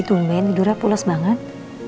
tungguin tidurnya pulos banget